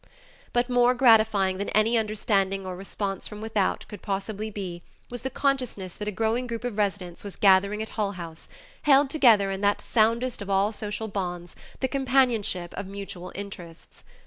But more gratifying than any understanding or response from without could possibly be, was the consciousness that a growing group of residents was gathering at Hull House, held together in that soundest of all social bonds, the companionship of mutual interests.